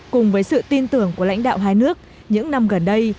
cùng với sự tin tưởng của lãnh đạo hai nước những năm gần đây